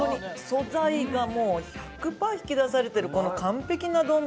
素材がもう１００パー引き出されてる完璧な丼。